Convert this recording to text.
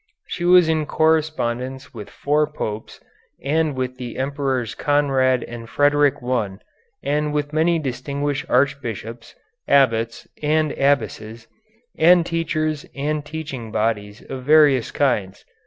She was in correspondence with four Popes, and with the Emperors Conrad and Frederick I, and with many distinguished archbishops, abbots, and abbesses, and teachers and teaching bodies of various kinds.